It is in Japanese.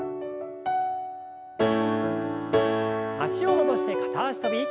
脚を戻して片脚跳び。